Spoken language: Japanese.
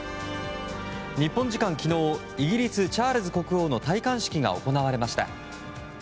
日本時間昨日イギリス、チャールズ国王の戴冠式が行われました。